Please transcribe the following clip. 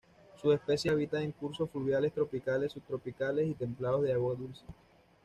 Sus especies habitan en cursos fluviales tropicales, subtropicales, y templados de agua dulce.